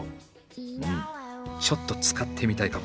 うんちょっと使ってみたいかも。